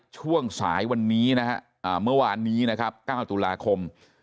ช่วงสายวันนี้นะฮะเมื่อวานนี้นะครับ๙ตุลาคม